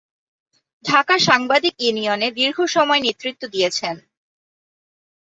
ঢাকা সাংবাদিক ইউনিয়নে দীর্ঘসময় নেতৃত্ব দিয়েছেন।